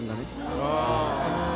ああ。